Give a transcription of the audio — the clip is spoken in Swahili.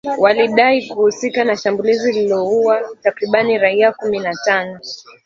Walidai kuhusika na shambulizi lililoua takribani raia kumi na tano